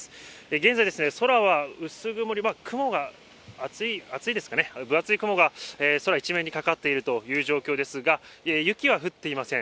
現在、空は薄曇り、雲が厚いですかね、分厚い雲が空一面にかかっているという状況ですが、雪は降っていません。